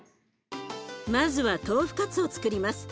まずは豆腐カツをつくります。